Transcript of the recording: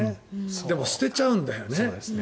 でも捨てちゃうんだよね。